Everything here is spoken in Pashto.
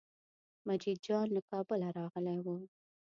مجید جان له کابله راغلی و.